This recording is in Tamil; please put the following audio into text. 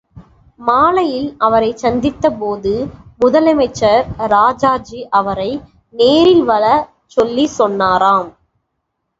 மாலையில் அவரைச் சந்தித்தபோது முதலமைச்சர் ராஜாஜி அவரை நேரில் வரச் சொல்லி சொன்னாராம்.